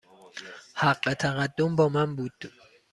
حق تقدم با من بود.